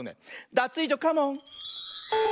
ダツイージョカモン！